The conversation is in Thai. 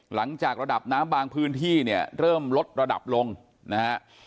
หลังจากระดับน้ำบางพื้นที่เนี่ยเริ่มลดระดับลงนะฮะ